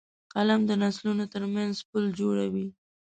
قلم د نسلونو ترمنځ پُل جوړوي